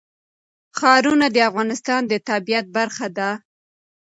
ښارونه د افغانستان د طبیعت برخه ده.